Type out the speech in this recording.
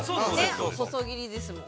細切りですもん。